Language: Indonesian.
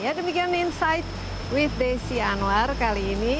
ya demikian insight with desi anwar kali ini